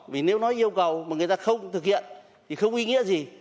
vì nếu nói yêu cầu mà người ta không thực hiện thì không ý nghĩa gì